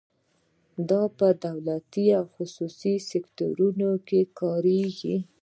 دا په دولتي او خصوصي سکتورونو کې کاریږي.